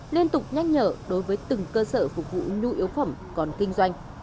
liên tục nhắc nhở đối với từng cơ sở phục vụ nhu yếu phẩm còn kinh doanh